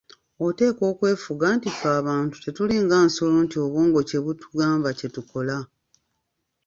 Oteekwa okwefuga anti ffe abantu tetulinga nsolo nti obwongo kyebutugamba kye tukola.